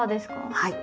はい。